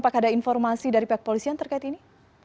apakah ada informasi dari pihak polisi yang terkait ini